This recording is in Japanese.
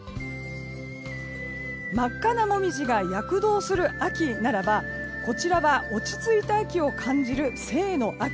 真っ赤なモミジが躍動する秋ならばこちらは落ち着いた秋を感じる静の秋。